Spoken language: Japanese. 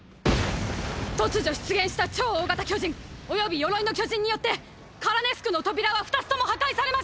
突如出現した「超大型巨人」および「鎧の巨人」によってカラネス区の扉は二つとも破壊されました！！